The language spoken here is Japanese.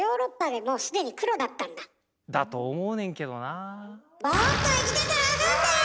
だと思うねんけどなあ。